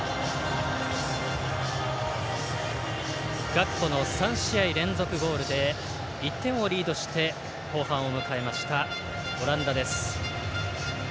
ガクポの３試合連続ゴールで１点をリードして後半を迎えましたオランダです。